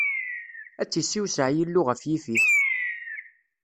Ad tt-issewseɛ Yillu ɣef Yifit!